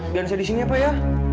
biar saya di sini pak ya